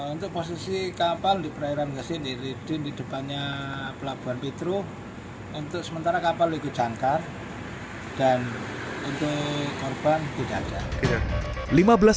untuk posisi kapal di perairan kesini di depannya pelabuhan pitru untuk sementara kapal di kudankar dan untuk korban di dada